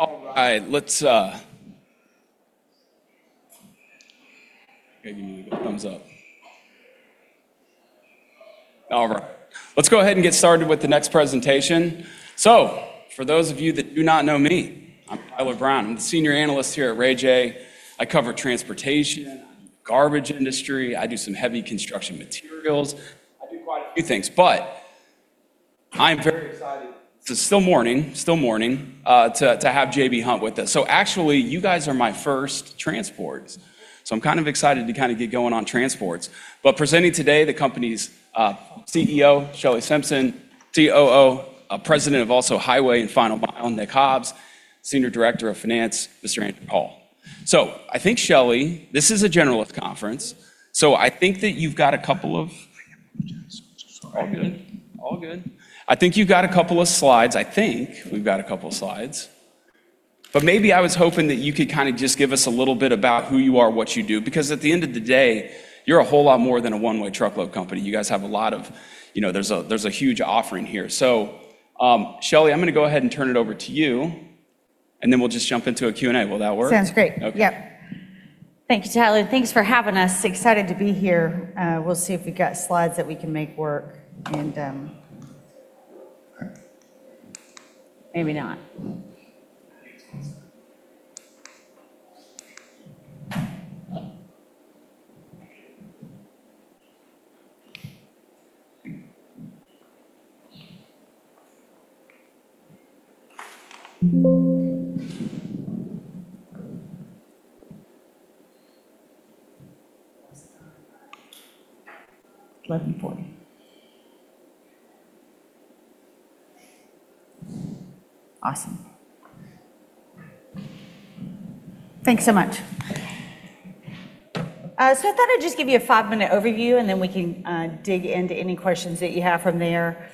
All right, let's maybe give me a thumbs up. All right. Let's go ahead and get started with the next presentation. For those of you that do not know me, I'm Tyler Brown. I'm the senior analyst here at Raymond James. I cover transportation, garbage industry. I do some heavy construction materials. I do quite a few things, I'm very excited still mourning, to have J.B. Hunt with us. Actually, you guys are my first transports. I'm kind of excited to kind of get going on transports. Presenting today, the company's CEO, Shelley Simpson, COO, President of also Highway and Final Mile, Nick Hobbs, Senior Director of Finance, Mr. Brad Delco. I think, Shelley, this is a generalist conference, I think that you've got a couple of. Sorry. All good. All good. I think you've got a couple of slides. I think we've got a couple slides. Maybe I was hoping that you could kind of just give us a little bit about who you are, what you do, because at the end of the day, you're a whole lot more than a one-way truckload company. You guys have a lot of, you know, there's a huge offering here. Shelley, I'm going to go ahead and turn it over to you, and then we'll just jump into a Q&A. Will that work? Sounds great. Okay. Yep. Thank you, Tyler, and thanks for having us. Excited to be here. We'll see if we've got slides that we can make work and maybe not. 11:40 A.M. Awesome. Thanks so much. I thought I'd just give you a five-minute overview, and then we can dig into any questions that you have from there.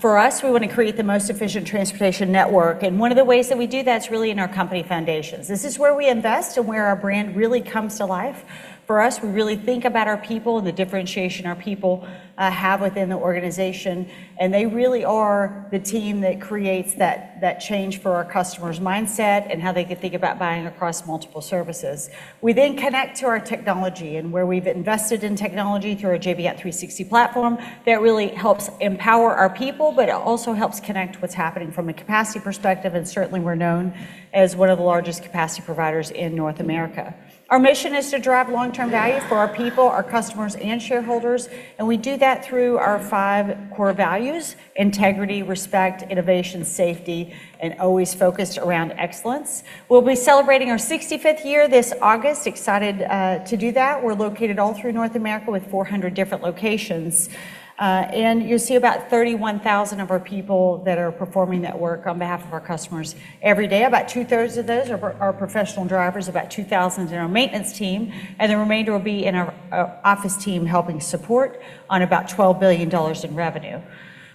For us, we wanna create the most efficient transportation network, and one of the ways that we do that's really in our company foundations. This is where we invest and where our brand really comes to life. For us, we really think about our people and the differentiation our people have within the organization, and they really are the team that creates that change for our customers' mindset and how they can think about buying across multiple services. We then connect to our technology and where we've invested in technology through our J.B. Hunt 360 platform that really helps empower our people, but it also helps connect what's happening from a capacity perspective, and certainly we're known as one of the largest capacity providers in North America. Our mission is to drive long-term value for our people, our customers, and shareholders, and we do that through our five core values: integrity, respect, innovation, safety, and always focused around excellence. We'll be celebrating our 65th year this August. Excited to do that. We're located all through North America with 400 different locations. You'll see about 31,000 of our people that are performing that work on behalf of our customers every day. About two-thirds of those are our professional drivers, about 2,000 in our maintenance team, and the remainder will be in our office team helping support on about $12 billion in revenue.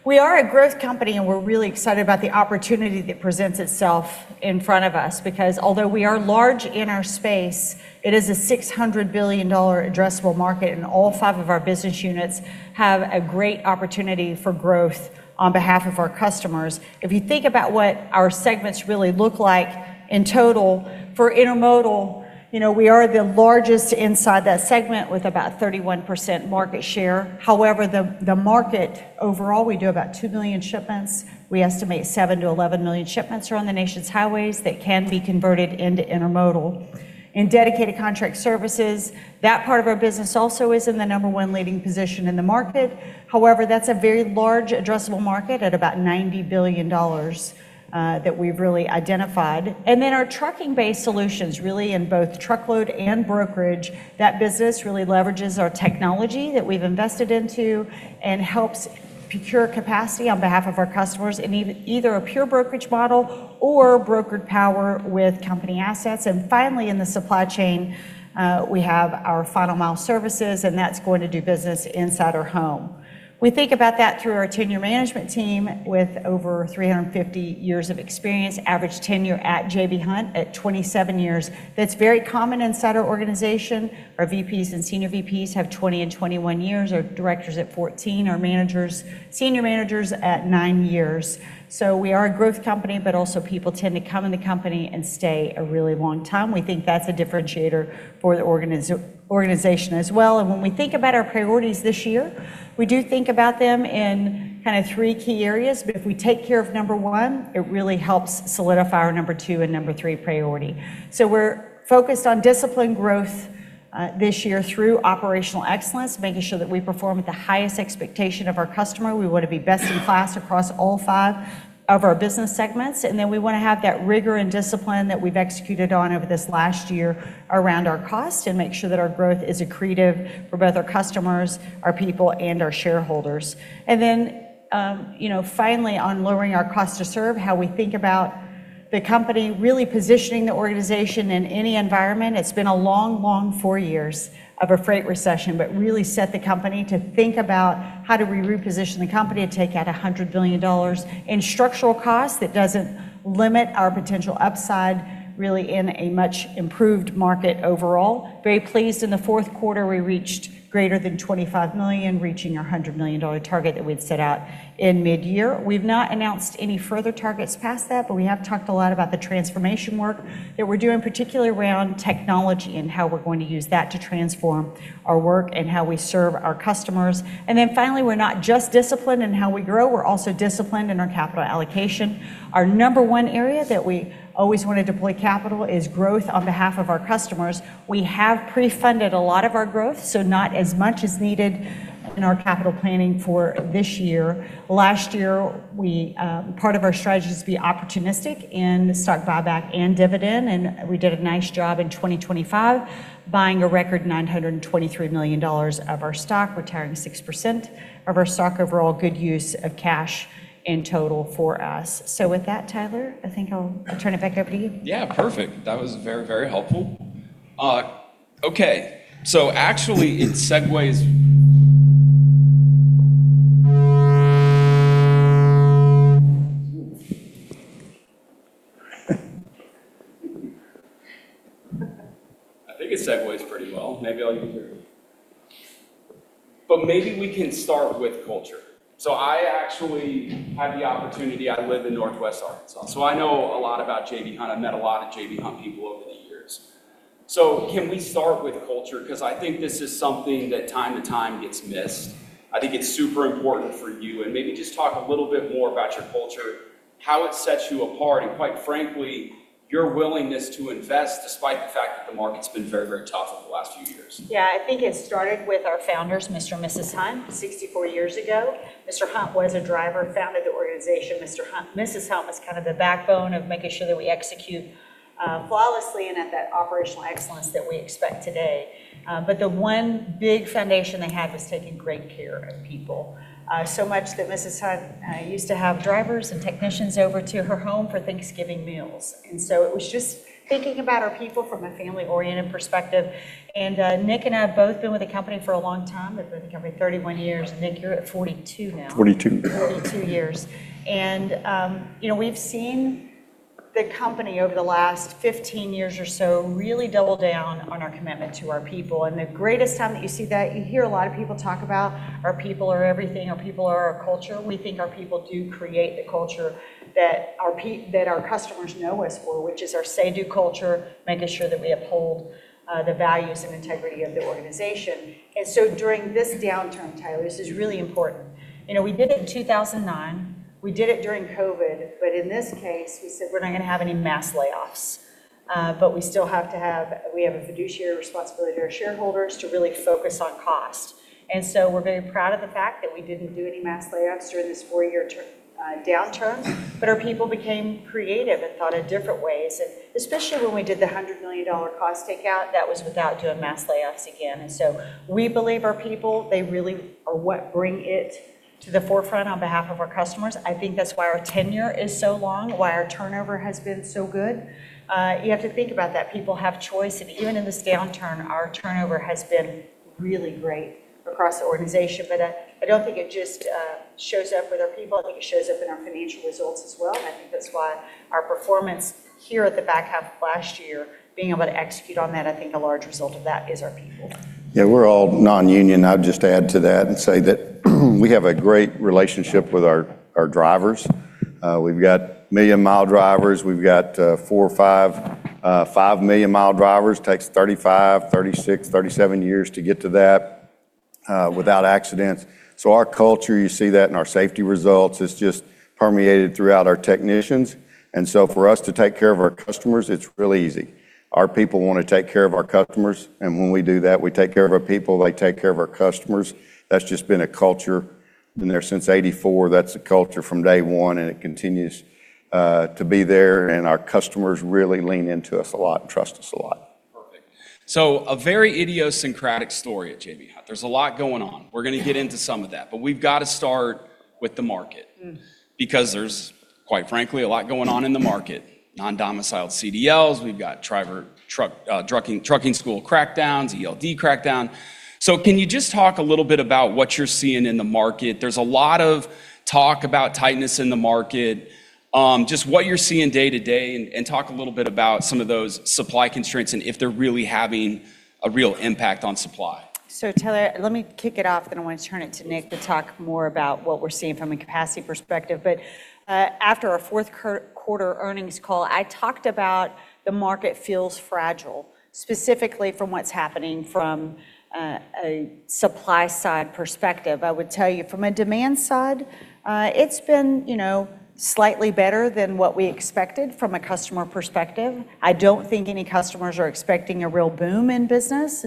We are a growth company, and we're really excited about the opportunity that presents itself in front of us because although we are large in our space, it is a $600 billion addressable market, and all five of our business units have a great opportunity for growth on behalf of our customers. If you think about what our segments really look like in total, for intermodal, you know, we are the largest inside that segment with about 31% market share. However, the market overall, we do about 2 billion shipments. We estimate 7 million-11 million shipments are on the nation's highways that can be converted into intermodal. In Dedicated Contract Services, that part of our business also is in the number one leading position in the market. However, that's a very large addressable market at about $90 billion that we've really identified. Our trucking-based solutions, really in both truckload and brokerage, that business really leverages our technology that we've invested into and helps procure capacity on behalf of our customers in either a pure brokerage model or brokered power with company assets. Finally, in the supply chain, we have our Final Mile Services, and that's going to do business inside our home. We think about that through our tenure management team with over 350 years of experience. Average tenure at J.B. Hunt at 27 years. That's very common inside our organization. Our VPs and senior VPs have 20 and 21 years. Our directors at 14. Our managers, senior managers at nine years. We are a growth company, but also people tend to come in the company and stay a really long time. We think that's a differentiator for the organization as well. When we think about our priorities this year, we do think about them in kind of three key areas. If we take care of number one, it really helps solidify our number two and number three priority. We're focused on disciplined growth this year through operational excellence, making sure that we perform at the highest expectation of our customer. We want to be best in class across all five of our business segments, and then we want to have that rigor and discipline that we've executed on over this last year around our cost and make sure that our growth is accretive for both our customers, our people, and our shareholders. you know, finally, on lowering our cost to serve, how we think about the company really positioning the organization in any environment. It's been a long, long four years of a freight recession, but really set the company to think about how do we reposition the company to take out $100 billion in structural costs that doesn't limit our potential upside really in a much improved market overall. Very pleased in the Q4, we reached greater than $25 million, reaching our $100 million target that we'd set out in midyear. We've not announced any further targets past that, but we have talked a lot about the transformation work that we're doing, particularly around technology and how we're going to use that to transform our work and how we serve our customers. Finally, we're not just disciplined in how we grow, we're also disciplined in our capital allocation. Our number one area that we always wanna deploy capital is growth on behalf of our customers. We have pre-funded a lot of our growth, not as much as needed in our capital planning for this year. Last year, we part of our strategy is to be opportunistic in stock buyback and dividend, and we did a nice job in 2025 buying a record $923 million of our stock, retiring 6% of our stock. Overall, good use of cash in total for us. With that, Tyler, I think I'll turn it back over to you. Perfect. That was very, very helpful. Okay. Actually it segues pretty well. Maybe I'll even do it. Maybe we can start with culture. I actually had the opportunity. I live in Northwest Arkansas, so I know a lot about J.B. Hunt. I've met a lot of J.B. Hunt people over the years. Can we start with culture? Because I think this is something that time to time gets missed. I think it's super important for you, and maybe just talk a little bit more about your culture, how it sets you apart, and quite frankly, your willingness to invest despite the fact that the market's been very, very tough over the last few years. Yeah. I think it started with our founders, Mr. and Mrs. Hunt, 64 years ago. Mr. Hunt was a driver, founded the organization. Mrs. Hunt was kind of the backbone of making sure that we execute flawlessly and at that operational excellence that we expect today. The one big foundation they had was taking great care of people. So much that Mrs. Hunt used to have drivers and technicians over to her home for Thanksgiving meals. It was just thinking about our people from a family-oriented perspective. Nick and I have both been with the company for a long time. I've been with the company 31 years. Nick, you're at 42 now. 42. 42 years. You know, we've seen the company over the last 15 years or so really double down on our commitment to our people. The greatest time that you see that, you hear a lot of people talk about our people are everything, our people are our culture. We think our people do create the culture that our customers know us for, which is our say do culture, making sure that we uphold the values and integrity of the organization. During this downturn, Tyler, this is really important. You know, we did it in 2009, we did it during COVID, but in this case we said we're not gonna have any mass layoffs. We still have to have a fiduciary responsibility to our shareholders to really focus on cost. We're very proud of the fact that we didn't do any mass layoffs during this 4-year downturn. Our people became creative and thought in different ways, and especially when we did the $100 million cost takeout, that was without doing mass layoffs again. We believe our people, they really are what bring it to the forefront on behalf of our customers. I think that's why our tenure is so long, why our turnover has been so good. You have to think about that people have choice, and even in this downturn, our turnover has been really great across the organization. I don't think it just shows up with our people, I think it shows up in our financial results as well. I think that's why our performance here at the back half of last year, being able to execute on that, I think a large result of that is our people. We're all non-union. I'd just add to that and say that we have a great relationship with our drivers. We've got million-mile drivers. We've got five-million-mile drivers. Takes 35 years, 36 years, 37 years to get to that without accidents. Our culture, you see that in our safety results. It's just permeated throughout our technicians. For us to take care of our customers, it's real easy. Our people wanna take care of our customers, and when we do that, we take care of our people, they take care of our customers. That's just been a culture. Been there since 84, that's the culture from day one, and it continues to be there, and our customers really lean into us a lot and trust us a lot. Perfect. A very idiosyncratic story at J.B. Hunt. There's a lot going on. We're gonna get into some of that, but we've gotta start with the market. Mm. There's, quite frankly, a lot going on in the market. Non-domiciled CDLs, we've got trucking school crackdowns, ELD crackdown. Can you just talk a little bit about what you're seeing in the market? There's a lot of talk about tightness in the market. Just what you're seeing day to day and talk a little bit about some of those supply constraints and if they're really having a real impact on supply. Tyler, let me kick it off, then I want to turn it to Nick to talk more about what we're seeing from a capacity perspective. After our Q4 earnings call, I talked about the market feels fragile, specifically from what's happening from a supply side perspective. I would tell you from a demand side, it's been, you know, slightly better than what we expected from a customer perspective. I don't think any customers are expecting a real boom in business,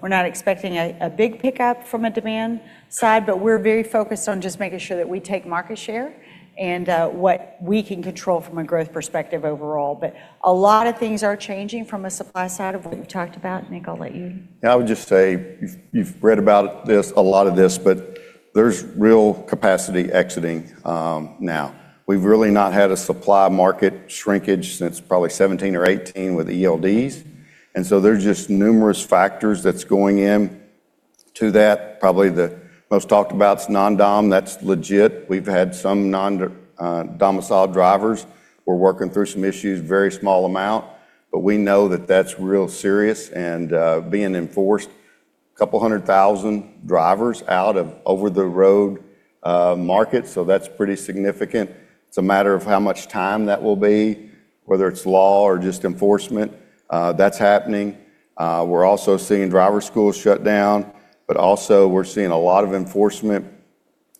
we're not expecting a big pickup from a demand side. We're very focused on just making sure that we take market share and what we can control from a growth perspective overall. A lot of things are changing from a supply side of what we've talked about. Nick, I'll let you... I would just say you've read about this, a lot of this, but there's real capacity exiting now. We've really not had a supply market shrinkage since probably 17 or 18 with ELDs. There's just numerous factors that's going into that, probably the most talked about is non-dom. That's legit. We've had some non-domiciled drivers. We're working through some issues, very small amount, but we know that that's real serious and being enforced. 200,000 drivers out of over-the-road market, so that's pretty significant. It's a matter of how much time that will be, whether it's law or just enforcement. That's happening. We're also seeing driver schools shut down, but also we're seeing a lot of enforcement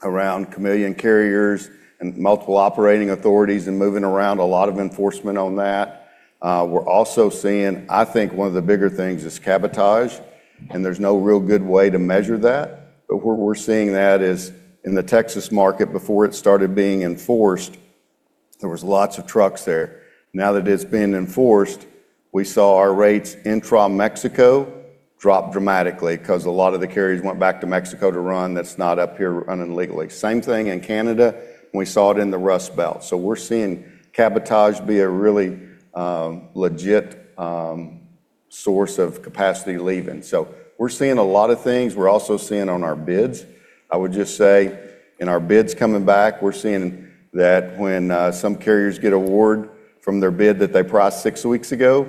around chameleon carriers and multiple operating authorities and moving around, a lot of enforcement on that. We're also seeing, I think one of the bigger things is cabotage. There's no real good way to measure that. Where we're seeing that is in the Texas market before it started being enforced, there was lots of trucks there. Now that it's been enforced, we saw our rates intra Mexico drop dramatically 'cause a lot of the carriers went back to Mexico to run that's not up here running legally. Same thing in Canada. We saw it in the Rust Belt. We're seeing cabotage be a really legit source of capacity leaving. We're seeing a lot of things. We're also seeing on our bids, I would just say in our bids coming back, we're seeing that when some carriers get award from their bid that they priced six weeks ago,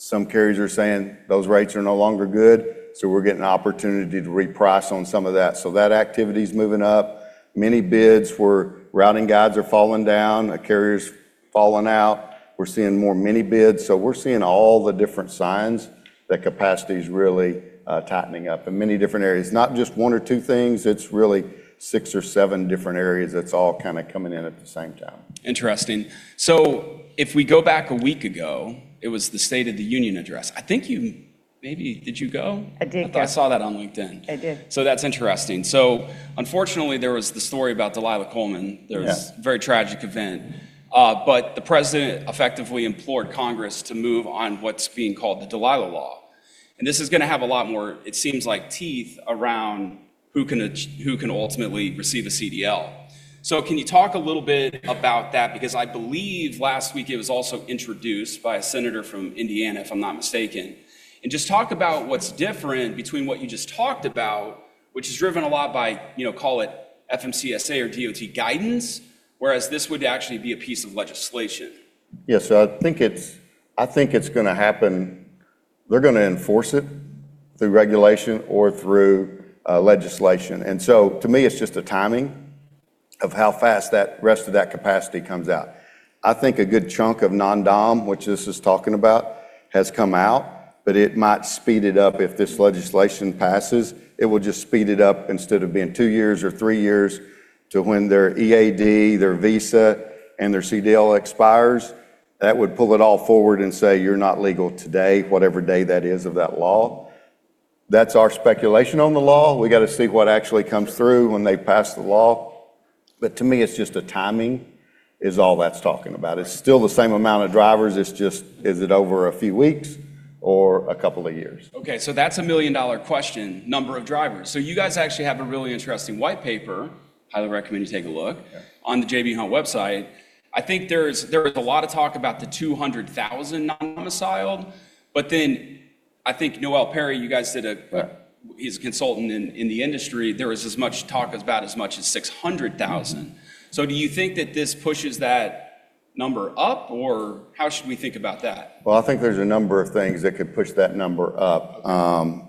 some carriers are saying those rates are no longer good, so we're getting an opportunity to reprice on some of that. That activity's moving up. Many bids where routing guides are falling down, carriers falling out. We're seeing more mini bids. We're seeing all the different signs that capacity is really tightening up in many different areas. Not just one or two things. It's really six or seven different areas that's all kinda coming in at the same time. Interesting. If we go back a week ago, it was the State of the Union address. I think Did you go? I did go. I thought I saw that on LinkedIn. I did. That's interesting. Unfortunately, there was the story about Dalilah Coleman. Yeah. There was a very tragic event. The president effectively implored Congress to move on what's being called the Dalilah's Law, and this is gonna have a lot more, it seems like, teeth around who can ultimately receive a CDL. Can you talk a little bit about that? Because I believe last week it was also introduced by a senator from Indiana, if I'm not mistaken. Just talk about what's different between what you just talked about, which is driven a lot by, you know, call it FMCSA or DOT guidance, whereas this would actually be a piece of legislation. Yeah. I think it's gonna happen. They're gonna enforce it through regulation or through legislation. To me, it's just a timing of how fast that rest of that capacity comes out. I think a good chunk of non-dom, which this is talking about, has come out, but it might speed it up if this legislation passes. It will just speed it up instead of being two years or three years to when their EAD, their visa, and their CDL expires. That would pull it all forward and say, "You're not legal today," whatever day that is of that law. That's our speculation on the law. We gotta see what actually comes through when they pass the law. To me, it's just a timing is all that's talking about. It's still the same amount of drivers. It's just is it over a few weeks or a couple of years? Okay. That's a million-dollar question, number of drivers. You guys actually have a really interesting white paper, highly recommend you take a look- Yeah on the J.B. Hunt website. I think there's a lot of talk about the 200,000 non-domiciled. I think Noel Perry, you guys is a consultant in the industry. There was as much talk about as much as 600,000. Do you think that this pushes that number up, or how should we think about that? I think there's a number of things that could push that number up.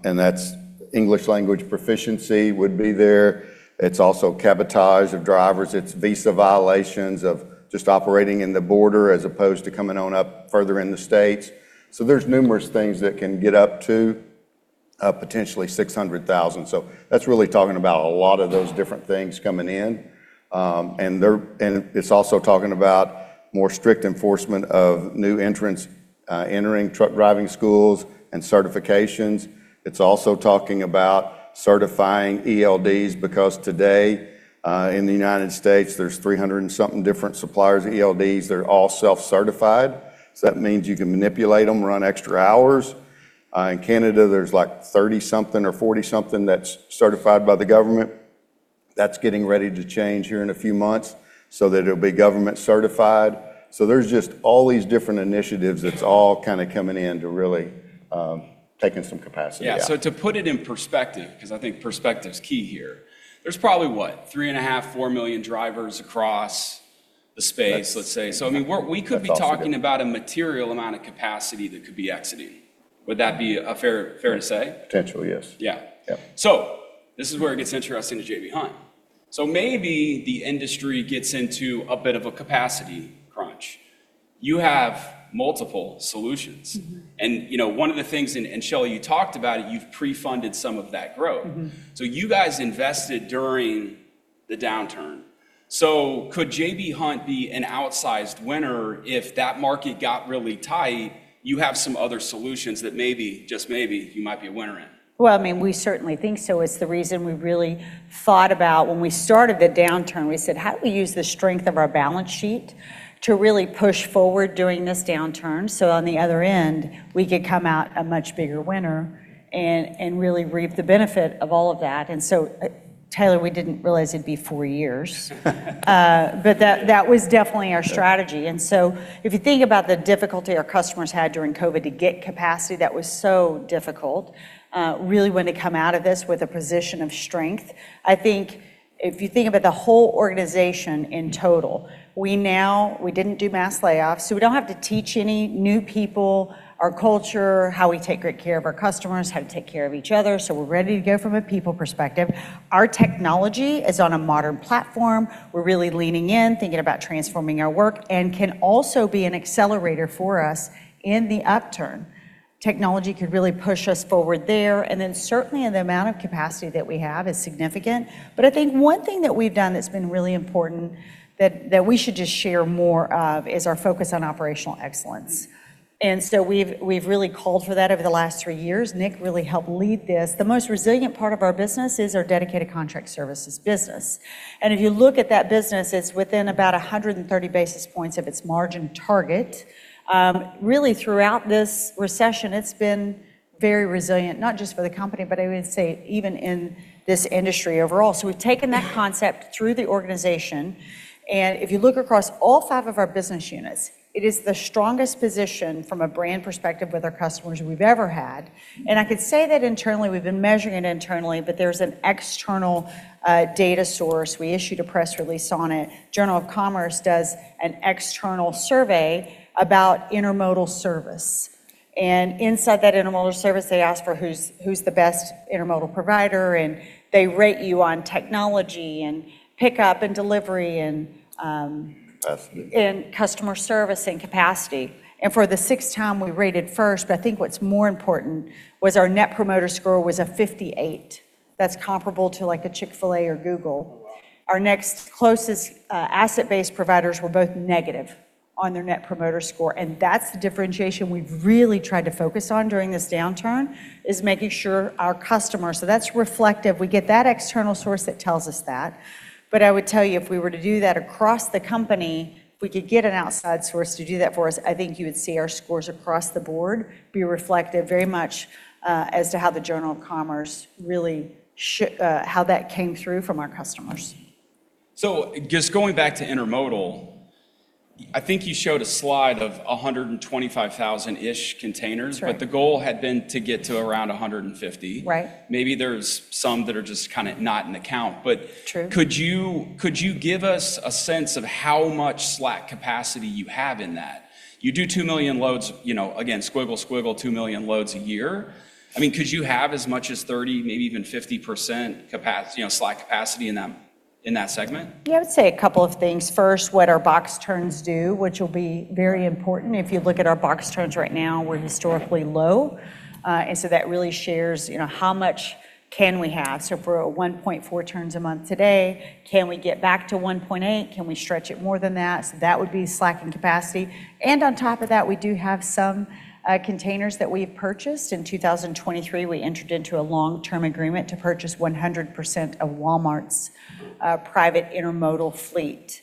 That's English language proficiency would be there. It's also cabotage of drivers. It's visa violations of just operating in the border as opposed to coming on up further in the States. There's numerous things that can get up to potentially 600,000. That's really talking about a lot of those different things coming in. It's also talking about more strict enforcement of new entrants entering truck driving schools and certifications. It's also talking about certifying ELDs because today, in the United States, there's 300 and something different suppliers of ELDs. They're all self-certified, so that means you can manipulate them, run extra hours. In Canada, there's like 30 something or 40 something that's certified by the government. That's getting ready to change here in a few months so that it'll be government certified. There's just all these different initiatives that's all kinda coming in to really, taking some capacity out. Yeah. To put it in perspective, 'cause I think perspective's key here. There's probably, what, 3.5 million-4 million drivers across the space- That's-... let's say. I mean, we could be- That's also good.... talking about a material amount of capacity that could be exiting. Would that be a fair to say? Potentially, yes. Yeah. Yeah. This is where it gets interesting to J.B. Hunt. Maybe the industry gets into a bit of a capacity crunch. You have multiple solutions. You know, one of the things, and, Shelley, you talked about it, you've pre-funded some of that growth. You guys invested during the downturn. Could J.B. Hunt be an outsized winner if that market got really tight? You have some other solutions that maybe, just maybe, you might be a winner in. Well, I mean, we certainly think so. It's the reason we really thought about when we started the downturn, we said, "How do we use the strength of our balance sheet to really push forward during this downturn so on the other end we could come out a much bigger winner and really reap the benefit of all of that?" Tyler, we didn't realize it'd be four years. but that was definitely our strategy. If you think about the difficulty our customers had during COVID to get capacity, that was so difficult, really wanted to come out of this with a position of strength. I think if you think about the whole organization in total, we now we didn't do mass layoffs, so we don't have to teach any new people our culture, how we take great care of our customers, how to take care of each other. We're ready to go from a people perspective. Our technology is on a modern platform. We're really leaning in, thinking about transforming our work, and can also be an accelerator for us in the upturn. Technology could really push us forward there, and then certainly in the amount of capacity that we have is significant. I think one thing that we've done that's been really important that we should just share more of is our focus on operational excellence. We've really called for that over the last three years. Nick really helped lead this. The most resilient part of our business is our Dedicated Contract Services business. If you look at that business, it's within about 130 basis points of its margin target. Really throughout this recession, it's been very resilient, not just for the company, but I would say even in this industry overall. We've taken that concept through the organization, and if you look across all five of our business units, it is the strongest position from a brand perspective with our customers we've ever had. I could say that internally, we've been measuring it internally, but there's an external data source. We issued a press release on it. The Journal of Commerce does an external survey about intermodal service. Inside that intermodal service, they ask for who's the best intermodal provider, and they rate you on technology and pickup and delivery. Asset... and customer service and capacity. For the sixth time, we rated first, but I think what's more important was our Net Promoter Score was a 58. That's comparable to like a Chick-fil-A or Google. Wow. Our next closest asset-based providers were both negative on their Net Promoter Score, and that's the differentiation we've really tried to focus on during this downturn, is making sure our customers. That's reflective. We get that external source that tells us that. I would tell you, if we were to do that across the company, if we could get an outside source to do that for us, I think you would see our scores across the board be reflective very much as to how the Journal of Commerce really how that came through from our customers. Just going back to intermodal, I think you showed a slide of 125,000-ish containers. That's right. The goal had been to get to around 150. Right. Maybe there's some that are just kinda not in the count. True... could you give us a sense of how much slack capacity you have in that? You do 2 million loads, you know, again, squiggle, 2 million loads a year. I mean, could you have as much as 30, maybe even 50% you know, slack capacity in them, in that segment? Yeah, I would say a couple of things. First, what our box turns do, which will be very important. If you look at our box turns right now, we're historically low. That really shares, you know, how much can we have? If we're at 1.4 turns a month today, can we get back to 1.8? Can we stretch it more than that? That would be slack in capacity. On top of that, we do have some containers that we've purchased. In 2023, we entered into a long-term agreement to purchase 100% of Walmart's private intermodal fleet.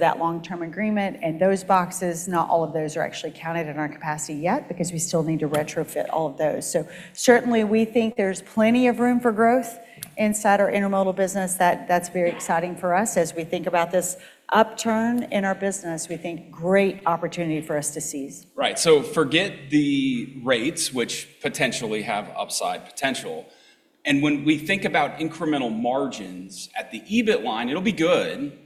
That long-term agreement and those boxes, not all of those are actually counted in our capacity yet because we still need to retrofit all of those. Certainly, we think there's plenty of room for growth inside our intermodal business that's very exciting for us. As we think about this upturn in our business, we think great opportunity for us to seize. Right. Forget the rates, which potentially have upside potential. When we think about incremental margins at the EBIT line, it'll be good.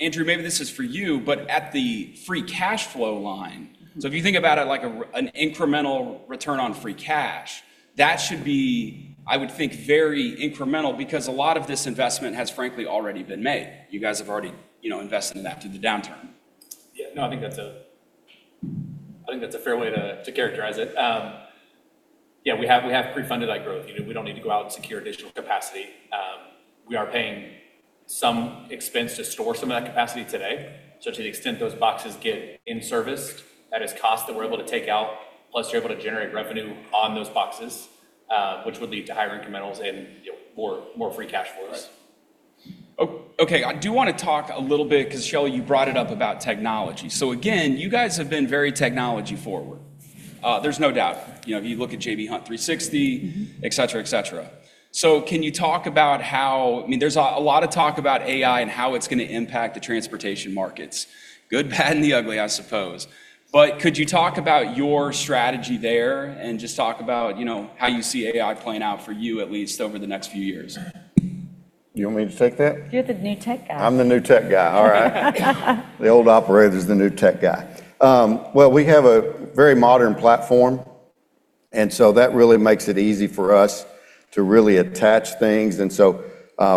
Andrew, maybe this is for you, but at the free cash flow line, if you think about it like an incremental return on free cash, that should be, I would think, very incremental because a lot of this investment has frankly already been made. You guys have already, you know, invested in that through the downturn. Yeah. No, I think that's a fair way to characterize it. Yeah, we have pre-funded that growth. You know, we don't need to go out and secure additional capacity. We are paying some expense to store some of that capacity today. To the extent those boxes get in-serviced, that is cost that we're able to take out, plus you're able to generate revenue on those boxes, which would lead to higher incrementals and, you know, more free cash flows. Right. Okay. I do wanna talk a little bit 'cause, Shelley, you brought it up about technology. Again, you guys have been very technology forward. There's no doubt. You know, if you look at J.B. Hunt 360. Mm-hmm... et cetera, et cetera. Can you talk about how I mean, there's a lot of talk about AI and how it's gonna impact the transportation markets. Good, bad, and the ugly, I suppose. Could you talk about your strategy there and just talk about, you know, how you see AI playing out for you at least over the next few years? You want me to take that? You're the new tech guy. I'm the new tech guy. All right. The old operator's the new tech guy. We have a very modern platform that really makes it easy for us to really attach things.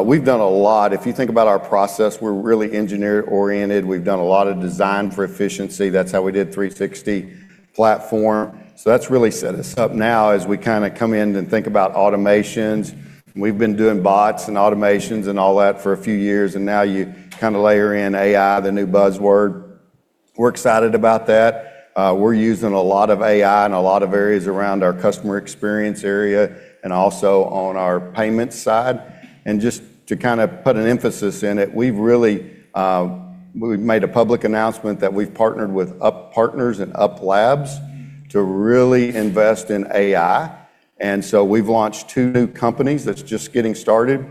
We've done a lot. If you think about our process, we're really engineer-oriented. We've done a lot of design for efficiency. That's how we did 360 platform. That's really set us up now as we kinda come in and think about automations. We've been doing bots and automations and all that for a few years, and now you kinda layer in AI, the new buzzword. We're excited about that. We're using a lot of AI in a lot of areas around our customer experience area and also on our payment side. Just to kind of put an emphasis in it, we've really made a public announcement that we've partnered with UP.Partners and UP.Labs to really invest in AI. We've launched two new companies that's just getting started,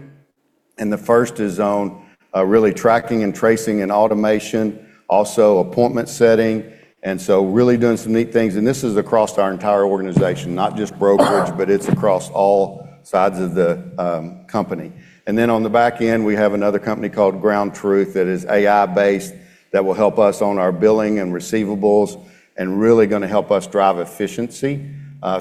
and the first is on, really tracking and tracing and automation, also appointment setting, and so really doing some neat things. This is across our entire organization, not just brokerage, but it's across all sides of the company. On the back end, we have another company called Ground Truth that is AI-based that will help us on our billing and receivables and really gonna help us drive efficiency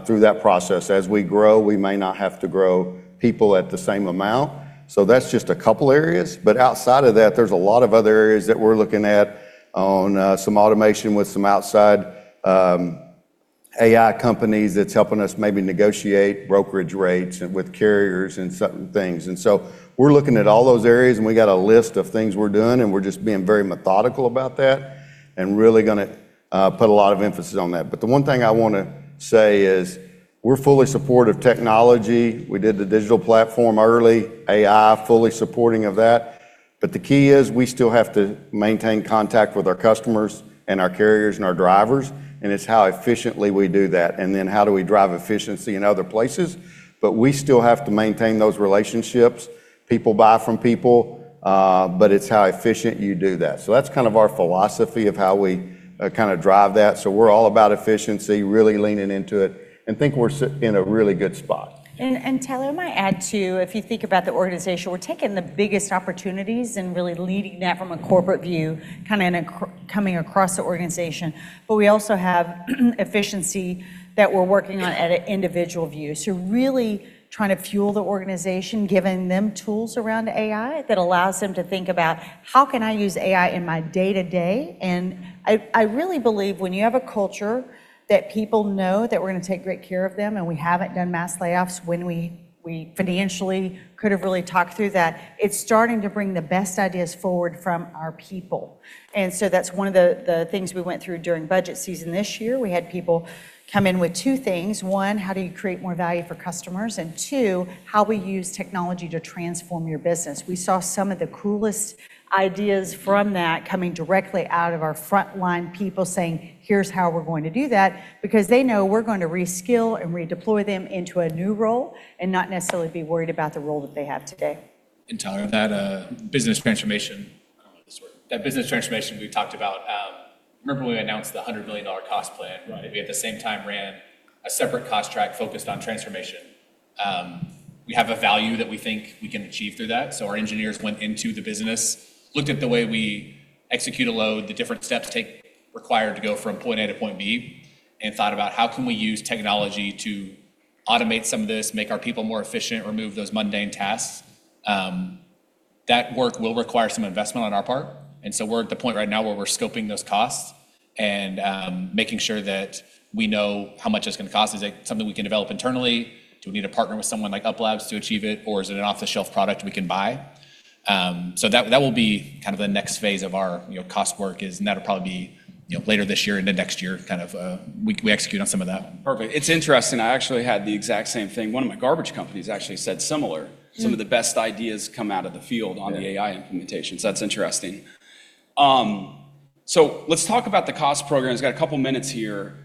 through that process. As we grow, we may not have to grow people at the same amount. That's just a couple areas, but outside of that, there's a lot of other areas that we're looking at on some automation with some outside AI companies that's helping us maybe negotiate brokerage rates and with carriers and certain things. We're looking at all those areas, and we got a list of things we're doing. We're just being very methodical about that and really gonna put a lot of emphasis on that. The one thing I wanna say is we're fully supportive technology. We did the digital platform early, AI, fully supporting of that. The key is we still have to maintain contact with our customers and our carriers and our drivers, and it's how efficiently we do that, and then how do we drive efficiency in other places. We still have to maintain those relationships. People buy from people, it's how efficient you do that. That's kind of our philosophy of how we kinda drive that. We're all about efficiency, really leaning into it, and think we're in a really good spot. Tyler, I might add, too, if you think about the organization, we're taking the biggest opportunities and really leading that from a corporate view, kinda coming across the organization. We also have efficiency that we're working on at a individual view. Really trying to fuel the organization, giving them tools around AI that allows them to think about, "How can I use AI in my day-to-day?" I really believe when you have a culture that people know that we're gonna take great care of them, and we haven't done mass layoffs when we financially could have really talked through that, it's starting to bring the best ideas forward from our people. That's one of the things we went through during budget season this year. We had people come in with two things. One, how do you create more value for customers? Two, how we use technology to transform your business. We saw some of the coolest ideas from that coming directly out of our frontline people saying, "Here's how we're going to do that," because they know we're going to re-skill and redeploy them into a new role and not necessarily be worried about the role that they have today. Tyler, that business transformation, I don't know the story. That business transformation we talked about, remember when we announced the $100 million cost plan? Right. We at the same time ran a separate cost track focused on transformation. We have a value that we think we can achieve through that. Our engineers went into the business, looked at the way we execute a load, the different steps required to go from point A to point B, and thought about how can we use technology to automate some of this, make our people more efficient, remove those mundane tasks. That work will require some investment on our part. We're at the point right now where we're scoping those costs and making sure that we know how much it's gonna cost. Is it something we can develop internally? Do we need to partner with someone like UP.Labs to achieve it, or is it an off-the-shelf product we can buy? That will be kind of the next phase of our, you know, cost work is. That'll probably be, you know, later this year into next year, kind of, we execute on some of that. Perfect. It's interesting. I actually had the exact same thing. One of my garbage companies actually said similar. Mm. Some of the best ideas come out of the field. Yeah on the AI implementation. That's interesting. Let's talk about the cost program. Just got a couple minutes here.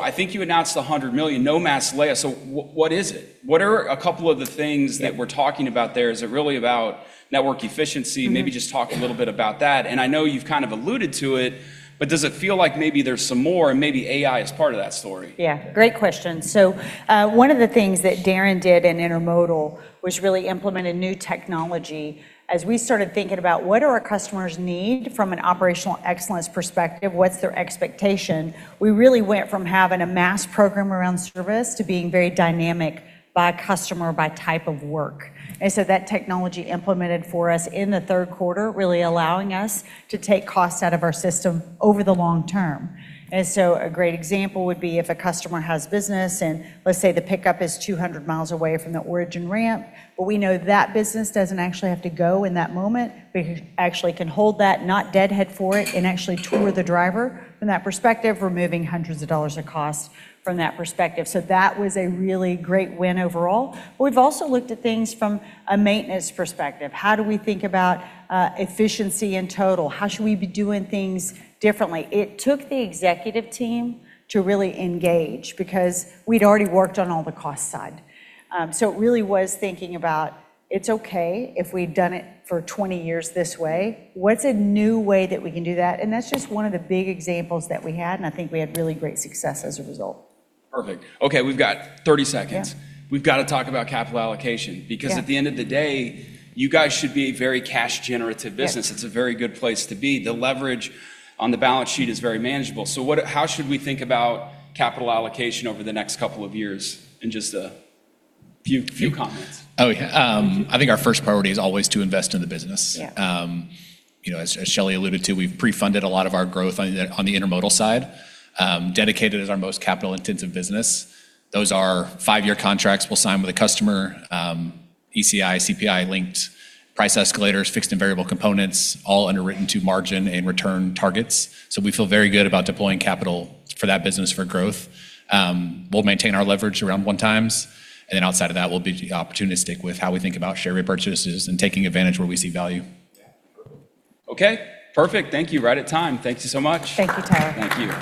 I think you announced the $100 million, no mass layoffs, what is it? What are a couple of the things- Yeah that we're talking about there? Is it really about network efficiency? Mm-hmm. Maybe just talk a little bit about that. I know you've kind of alluded to it, but does it feel like maybe there's some more, and maybe AI is part of that story? Great question. One of the things that Darren did in intermodal was really implement a new technology. As we started thinking about what do our customers need from an operational excellence perspective, what's their expectation, we really went from having a mass program around service to being very dynamic by customer, by type of work. That technology implemented for us in the Q3, really allowing us to take costs out of our system over the long term. A great example would be if a customer has business, and let's say the pickup is 200 miles away from the origin ramp, but we know that business doesn't actually have to go in that moment. We actually can hold that, not deadhead for it, and actually tour the driver from that perspective, removing hundreds of dollars of cost from that perspective. That was a really great win overall. We've also looked at things from a maintenance perspective. How do we think about efficiency in total? How should we be doing things differently? It took the executive team to really engage because we'd already worked on all the cost side. It really was thinking about, it's okay if we've done it for 20 years this way. What's a new way that we can do that? That's just one of the big examples that we had, and I think we had really great success as a result. Perfect. Okay, we've got 30 seconds. Yeah. We've got to talk about capital allocation. Yeah... because at the end of the day, you guys should be a very cash-generative business. Yeah. It's a very good place to be. The leverage on the balance sheet is very manageable. How should we think about capital allocation over the next couple of years in just a few comments? I think our first priority is always to invest in the business. Yeah. You know, as Shelley alluded to, we've pre-funded a lot of our growth on the intermodal side. Dedicated as our most capital-intensive business. Those are five-year contracts we'll sign with a customer, ECI, CPI-linked price escalators, fixed and variable components, all underwritten to margin and return targets. We feel very good about deploying capital for that business for growth. We'll maintain our leverage around one times, and then outside of that, we'll be opportunistic with how we think about share repurchases and taking advantage where we see value. Okay. Perfect. Thank you. Right at time. Thank you so much. Thank you, Tyler. Thank you.